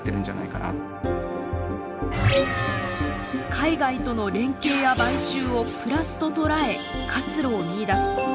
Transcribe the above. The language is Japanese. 海外との連携や買収をプラスと捉え活路を見いだす。